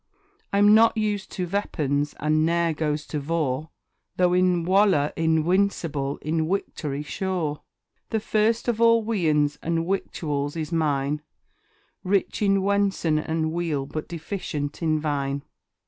I'm not used to Veapons, and ne'er goes to Vor; Though in Walour inwincible in Wictory sure; The first of all Wiands and Wictuals is mine Rich in Wen'son and Weal, but deficient in Vine.